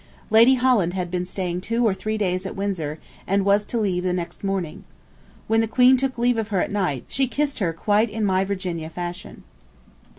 Lady Holland had been staying two or three days at Windsor, and was to leave the next morning. When the Queen took leave of her at night, she kissed her quite in my Virginia fashion.